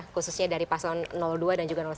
khususnya dari paslon dua dan juga satu